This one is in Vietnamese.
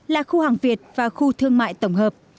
là khu hàng việt và khu thương mại tổng hợp